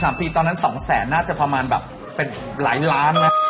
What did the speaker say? ถ้า๓๓ปีตอนนั้น๒๐๐๐๐๐บาทน่าจะประมาณแบบเป็นหลายล้านน่ะ